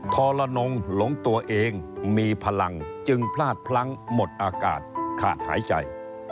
ทรนงหลงตัวเองมีพลังจึงพลาดพลั้งหมดอากาศขาดหายใจ